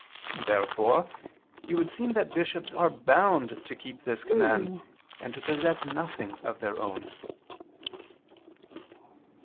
Therefore it would seem that bishops are bound to keep this command, and to possess nothing of their own.